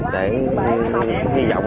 để hy vọng